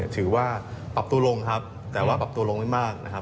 ถือว่าปรับตัวลงครับแต่ว่าปรับตัวลงไม่มากนะครับ